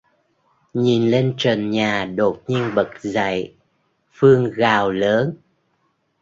nhìn lên trần nhà đột nhiên bật dạy, Phương gào lớn